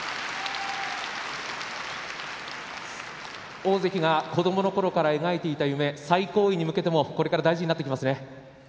大関が子どものころから描いている夢、最高位に向けても大事になってきますね。